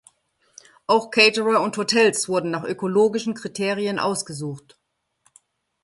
Auch Caterer und Hotels wurden nach ökologischen Kriterien ausgesucht.